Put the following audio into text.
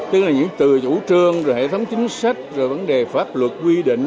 tức là những từ chủ trương rồi hệ thống chính sách rồi vấn đề pháp luật quy định